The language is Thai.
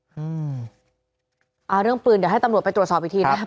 อืมอ่าเรื่องปืนเดี๋ยวให้ตำรวจไปตรวจสอบอีกทีนะครับ